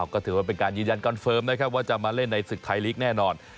ก็ถือว่าเป็นการยืนยันคอนเฟิร์มนะครับว่าจะมาเล่นในศึกไทยลีกแน่นอน